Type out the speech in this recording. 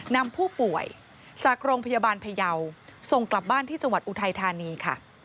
นำผู้ป่วยจากโรงพยาบาลพยาวส่งกลับบ้านที่จังหวัดอุทัยธานีค่ะ